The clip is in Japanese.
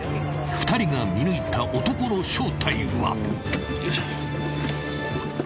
２人が見抜いた男の正体は］